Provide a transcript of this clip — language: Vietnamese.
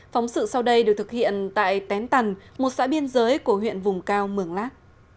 phóng sự sau đây được thực hiện tại tén tần một xã biên giới của huyện vùng cao mường lát